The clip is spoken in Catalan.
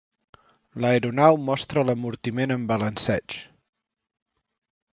L'aeronau mostra l'amortiment en balanceig.